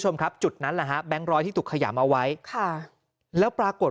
คุณผู้ชมครับจุดนั้นแหละฮะแบงค์ร้อยที่ถูกขยำเอาไว้ค่ะแล้วปรากฏ